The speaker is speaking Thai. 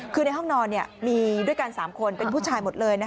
คือในห้องนอนมีด้วยกัน๓คนเป็นผู้ชายหมดเลย